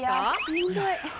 しんどい。